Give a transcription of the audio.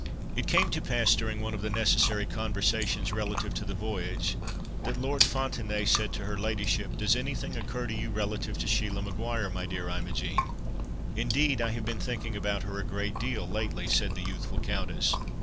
It came to pass during one of the necessary conversations relative to the voyage, that Lord Fontenaye said to her ladyship, "Does anything occur to you, relative to Sheila Maguire, my dear Imogen?" "Indeed, I have been thinking about her a great deal, lately," said the youthful countess.